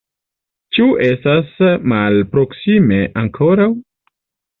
Ĉu estas malproksime ankoraŭ?